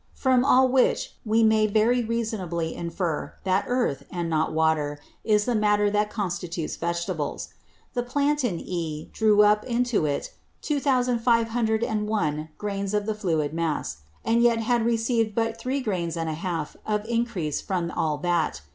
From all which we may very reasonably infer, that Earth, and not Water, is the Matter that constitutes Vegetables. The Plant in E, drew up into it 2501 Grains of the fluid Mass; and yet had received but Grains 3 and a half of Increase from all that.